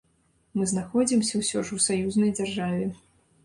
Мы знаходзімся ўсё ж у саюзнай дзяржаве.